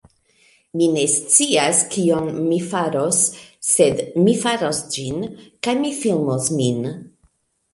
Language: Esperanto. Mi ne scias kion mi faros, sed mi faros ĝin, kaj mi filmos min.